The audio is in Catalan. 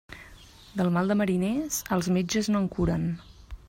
Del mal de mariners, els metges no en curen.